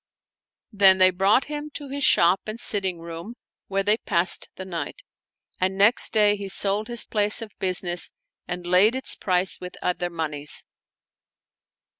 Then he brought him to his shop and sitting room where they passed the night; and next day he sold his place of business and laid its price with other moneys.